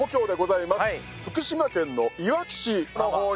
福島県のいわき市の方に。